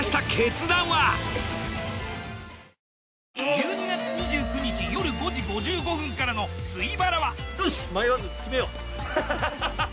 １２月２９日夜５時５５分からの「水バラ」は。